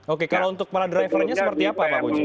oke kalau untuk para drivernya seperti apa pak puji